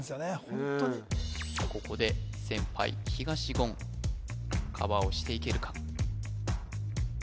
ホントにここで先輩東言カバーをしていけるか？